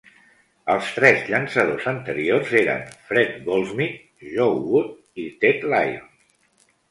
Els tres llançadors anteriors eren Fred Goldsmith, Joe Wood, i Ted Lyons.